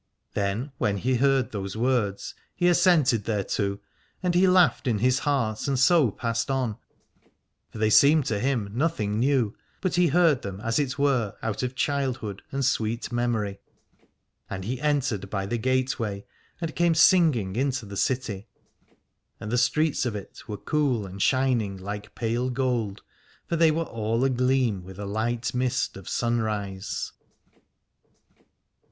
Then when he heard those words he as sented thereto, and he laughed in his heart and so passed on : for they seemed to him nothing new, but he heard them as it were out of childhood and sweet memory. And he entered by the gateway and came singing into the city ; and the streets of it were cool and shining like pale gold, for they were all agleam with a light mist of sunrise.